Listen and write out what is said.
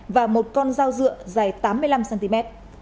và một con dao dựa dài tám mươi năm cm